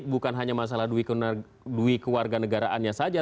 bukan hanya masalah duwi keluarga negaraannya saja